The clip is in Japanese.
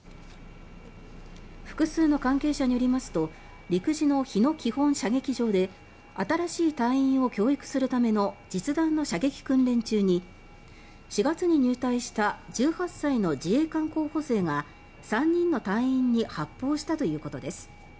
複数の関係者によりますと陸自の日野基本射撃場で新しい隊員を教育するための実弾の射撃訓練中に４月に入隊した１８歳の自衛官候補生が３人の隊員に発砲したということです。